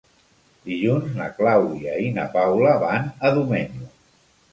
Dilluns na Clàudia i na Paula van a Domenyo.